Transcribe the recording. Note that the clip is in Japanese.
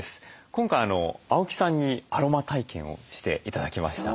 今回青木さんにアロマ体験をして頂きました。